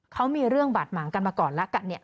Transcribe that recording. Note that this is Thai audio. เขามีเรื่องบาดหมางกันมาก่อนแล้วกันเนี่ย